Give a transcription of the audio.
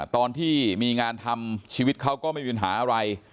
ตอนที่มีงานทำชีวิตเขาก็ไม่มีปัญหาอะไร